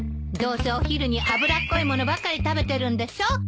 どうせお昼に脂っこいものばかり食べてるんでしょ。